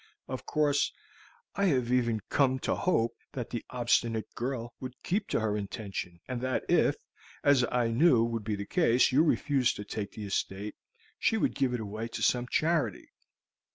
Of late, I have even come to hope that the obstinate girl would keep to her intention, and that if, as I knew would be the case, you refused to take the estate, she would give it away to some charity.